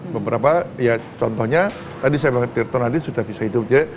beberapa ya contohnya tadi saya bilang tirton adi sudah bisa hidup